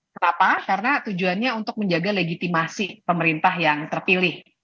kenapa karena tujuannya untuk menjaga legitimasi pemerintah yang terpilih